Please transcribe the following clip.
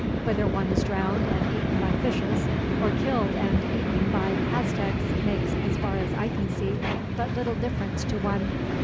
"Whether one is drowned and eaten by fishes, or killed and eaten by Aztecs, makes, as far as I can see, but little difference to one.